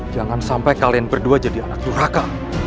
jangan sampai kalian berdua jadi anak duraka